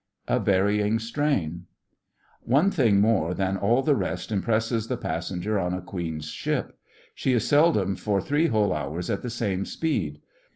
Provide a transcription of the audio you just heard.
A VARYING STRAIN One thing more than all the rest impresses the passenger on a Queen's ship. She is seldom for three whole hours at the same speed.